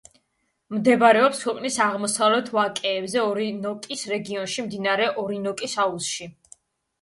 მდებარეობს ქვეყნის აღმოსავლეთ ვაკეებზე, ორინოკოს რეგიონში, მდინარე ორინოკოს აუზში.